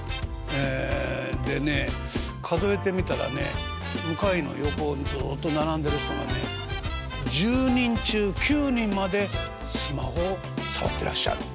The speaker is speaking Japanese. ええでね数えてみたらね向かいの横にずっと並んでる人のね１０人中９人までスマホを触ってらっしゃる。